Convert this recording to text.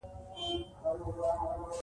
ژبني کورسونه دي پیل سي.